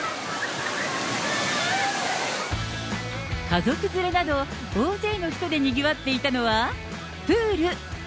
家族連れなど、大勢の人でにぎわっていたのは、プール。